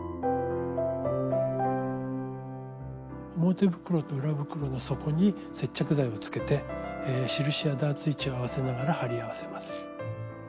表袋と裏袋の底に接着剤をつけて印やダーツ位置を合わせながら貼り合わせます。